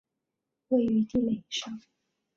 位于地垒上。